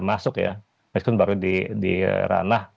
masuk ya meskuden baru diranah